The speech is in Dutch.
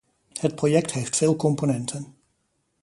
Het project heeft veel componenten.